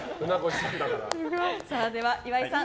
では岩井さん